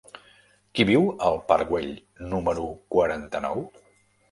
Qui viu al parc Güell número quaranta-nou?